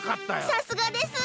さすがです！